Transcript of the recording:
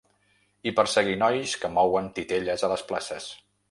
I perseguir nois que mouen titelles a les places.